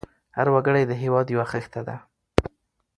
هر وګړی د هېواد یو خښته ده.